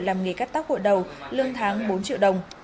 làm nghề cắt tóc vội đầu lương tháng bốn triệu đồng